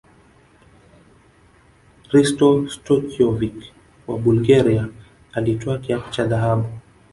hristo stoichkovic wa bulgaria alitwaa kiatu cha dhahabu